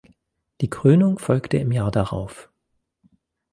Die Krönung folgte im Jahr darauf.